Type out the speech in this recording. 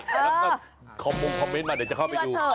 แล้วก็คอมมงคอมเมนต์มาเดี๋ยวจะเข้าไปดู